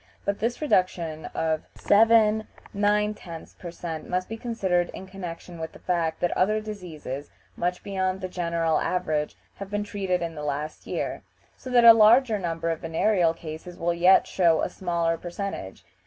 but this reduction of 7 9/10 per cent, must be considered in connection with the fact that other diseases, much beyond the general average, have been treated in the last year, so that a larger number of venereal cases will yet show a smaller percentage.